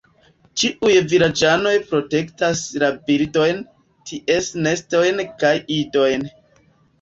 Ĉiuj vilaĝanoj protektas la birdojn, ties nestojn kaj idojn.